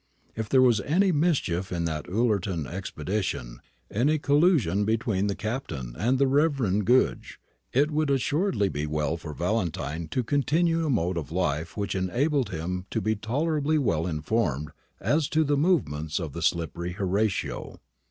If there was any mischief in that Ullerton expedition, any collusion between the Captain and the Reverend Goodge, it would assuredly be well for Valentine to continue a mode of life which enabled him to be tolerably well informed as to the movements of the slippery Horatio.